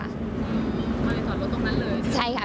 มาจอดรถตรงนั้นเลย